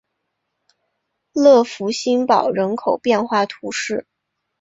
勒福新堡人口变化图示